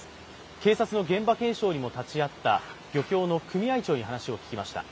警察の現場検証にも立ち会った漁協の組合長に話を聞きました。